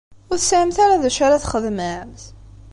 Ur tesɛimt ara d acu ara txedmemt?